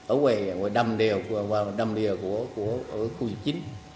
ở ngoài đầm đều của khu vực chính